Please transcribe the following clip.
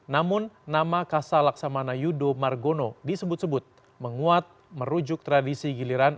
namun nama kasa laksamana yudo margono disebut sebut menguat merujuk tradisi giliran